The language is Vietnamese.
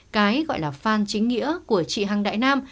cái gọi là phan chính nghĩa của chị hằng đại nam